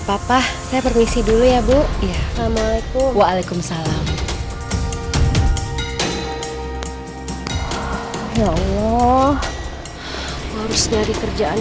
papa saya permisi dulu ya bu ya assalamualaikum waalaikumsalam ya allah harus nyari kerjaan